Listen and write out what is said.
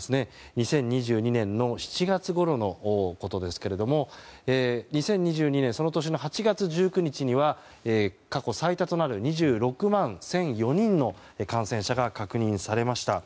２０２２年の７月ごろのことですが２０２２年その年の８月１９日には過去最多となる２６万１００４人の感染者が確認されました。